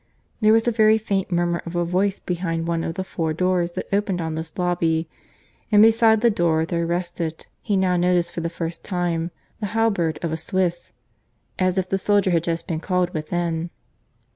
There was a very faint murmur of a voice behind one of the four doors that opened on this lobby; and beside the door there rested (he now noticed for the first time) the halberd of a Swiss, as if the soldier had just been called within.